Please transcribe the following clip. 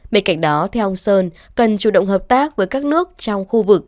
bên cạnh đó theo ông sơn cần chủ động hợp tác với các nước trong khu vực